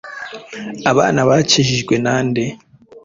Abana bakijijwe na nde?